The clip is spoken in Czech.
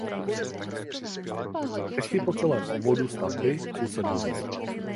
Střechy po celém obvodu stavby jsou sedlové.